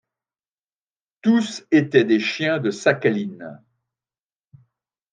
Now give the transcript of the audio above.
Tous étaient des chiens de Sakhaline.